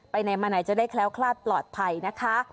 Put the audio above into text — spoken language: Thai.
ไปไหนมาไหนจะได้แคล้วคลาดปลอดภัยนะคะ